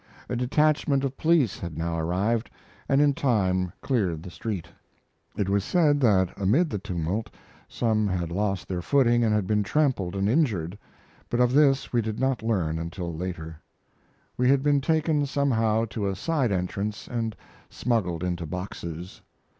A detachment of police had now arrived, and in time cleared the street. It was said that amid the tumult some had lost their footing and had been trampled and injured, but of this we did not learn until later. We had been taken somehow to a side entrance and smuggled into boxes.